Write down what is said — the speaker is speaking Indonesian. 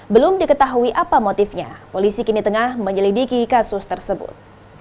belum diketahui apa motifnya polisi kini tengah menyelidiki kasus tersebut